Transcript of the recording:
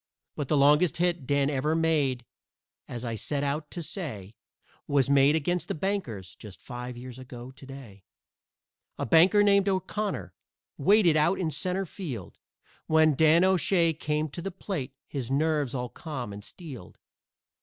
But the longest hit Dan ever made, as I set out to say, Was made against the Bankers just five years ago to day. A banker named O'Connor waited out in centre field When Dan O'Shay came to the plate, his nerves all calm and steeled.